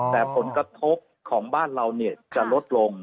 แต่ผลกระทบของบ้านเราจะลดลง